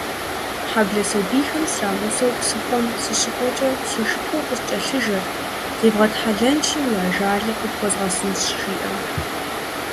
Хьэблэ сабийхэм срагъусэу псыхъуэм сыщыкӏуэкӏэ, си шыпхъур къыскӏэлъыжэрт: «Зебгъэтхьэлэнщи, уи ажалыр къыпхуэзгъэсынщ», - жиӏэу.